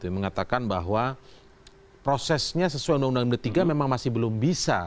mengatakan bahwa prosesnya sesuai undang undang md tiga memang masih belum bisa